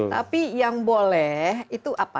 tapi yang boleh itu apa